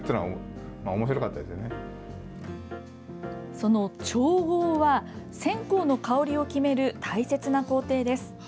その調合は線香の香りを決める大切な工程です。